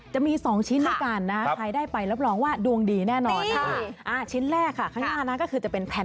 จะมีสองชิ้นก่อนนะใครได้ไปรับรองว่าดวงดีแน่นอนอ่าชิ้นแรกค่ะข้างหน้านั้นก็คือจะเป็นแผ่น